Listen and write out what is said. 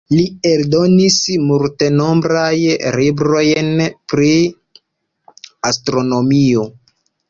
Li eldonis multenombraj librojn pri astronomio.